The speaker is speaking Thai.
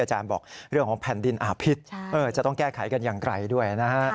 อาจารย์บอกเรื่องของแผ่นดินอาพิษจะต้องแก้ไขกันอย่างไกลด้วยนะฮะ